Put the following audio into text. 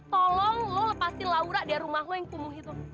tolong lo lepasin laura dari rumah lo yang kumuh itu